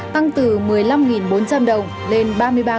tăng từ một mươi năm bốn trăm linh đồng lên ba mươi ba đồng một tháng